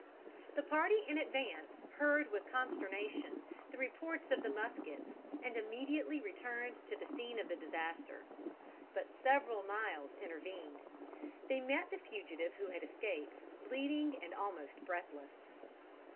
The party in advance heard with consternation the reports of the muskets, and immediately returned to the scene of the disaster. But several miles intervened. They met the fugitive who had escaped, bleeding and almost breathless.